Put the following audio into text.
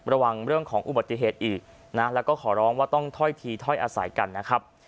ระวังเรื่องของอุบัติเหตุอีกนะแล้วก็ขอร้องว่าต้องถ้อยทีถ้อยอาศัยกันนะครับ